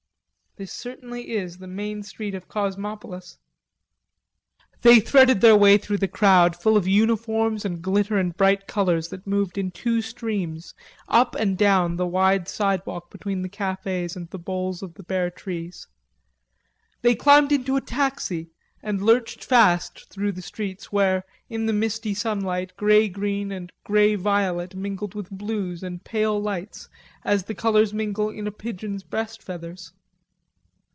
"This certainly is the main street of Cosmopolis." They threaded their way through the crowd, full of uniforms and glitter and bright colors, that moved in two streams up and down the wide sidewalk between the cafes and the boles of the bare trees. They climbed into a taxi, and lurched fast through streets where, in the misty sunlight, grey green and grey violet mingled with blues and pale lights as the colors mingle in a pigeon's breast feathers.